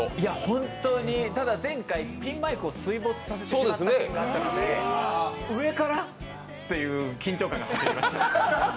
本当に、ただ前回ピンマイクを水没させたということがあったので、上から、という緊張感がありました。